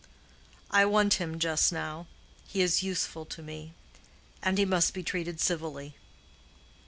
"I want him just now. He is useful to me; and he must be treated civilly."